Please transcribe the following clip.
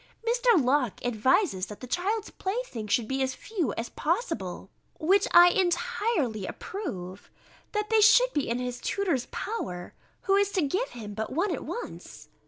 Mr. Locke advises, that the child's playthings should be as few as possible, which I entirely approve: that they should be in his tutor's power, who is to give him but one at once.